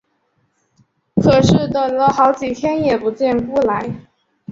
可是等了好几天也不见辜来。